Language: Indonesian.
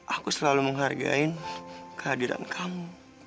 aku selalu menghargai kehadiran kamu